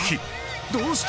どうした？